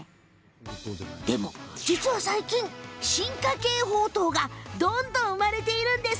でも、実は最近進化系ほうとうがどんどん生まれているんです。